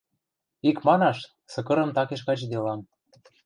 Икманаш, сыкырым такеш качделам.